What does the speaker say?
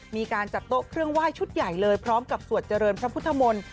มีการจัดโต๊ะเครื่องไหว้ชุดใหญ่เลยพร้อมกับสวดเจริญพระพุทธมนตร์